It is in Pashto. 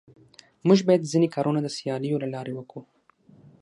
موږ بايد ځيني کارونه د سياليو له لاري وکو.